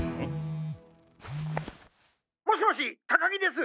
もしもし高木です！